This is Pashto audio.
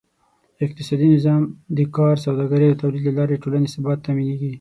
اقتصادي نظام: د کار، سوداګرۍ او تولید له لارې د ټولنې ثبات تأمینېږي.